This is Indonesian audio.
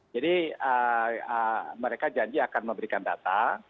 jadi mereka janji akan memberikan data